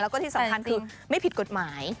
แล้วก็ที่สำคัญคือไม่ผิดกฎหมาย